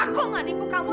aku enggak nipu kamu